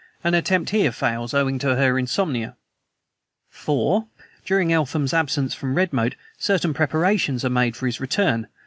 An attempt here fails owing to her insomnia. "(4) During Eltham's absence from Redmoat certain preparations are made for his return.